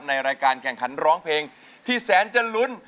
ในรายการแข่งขันร้องเพลงที่แสนจะลุ้น